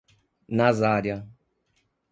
Nazária